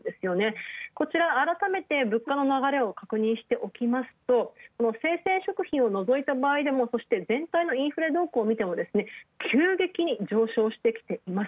こちら改めて、物価の流れを確認していきますと生鮮食品を除いた場合でも、そして全体のインフレ動向を見ても、急激に上昇してきています。